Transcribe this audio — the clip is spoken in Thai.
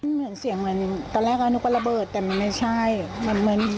เหมือนเสียงเหมือนตอนแรกอันนี้ก็ระเบิดแต่มันไม่ใช่